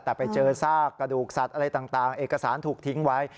แต่ไปเจอซากกระดูกสัตว์อะไรต่างเอกสารถูกทิ้งไว้